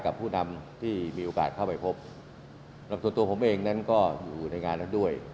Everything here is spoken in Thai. จากตัวผมเองก็อยู่ในงานด้วย